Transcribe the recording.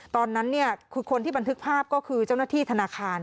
ตอนนั้นคือคนที่บันทึกภาพก็คือเจ้าหน้าที่ธนาคาร